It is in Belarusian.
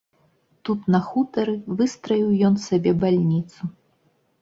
Тут на хутары выстраіў ён сабе бальніцу.